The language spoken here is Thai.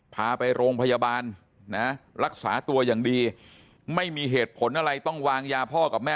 พาไปโรงพยาบาลนะรักษาตัวอย่างดีไม่มีเหตุผลอะไรต้องวางยาพ่อกับแม่